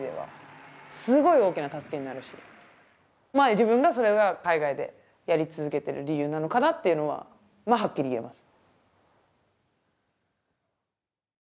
自分がそれが海外でやり続けている理由なのかなっていうのははっきり言えます。